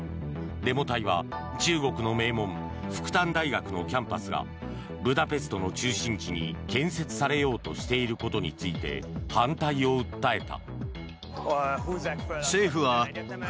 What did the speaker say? デモ隊は中国の名門復旦大学のキャンパスがブダペストの中心地に建設されようとしていることについて反対を訴えた。